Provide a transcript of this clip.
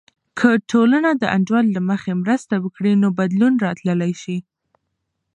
که ټولنه د انډول له مخې مرسته وکړي، نو بدلون راتللی سي.